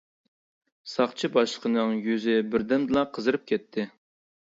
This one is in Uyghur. ساقچى باشلىقىنىڭ يۈزى بىردەمدىلا قىزىرىپ كەتتى.